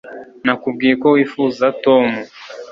nakubwiye ko wifuza tom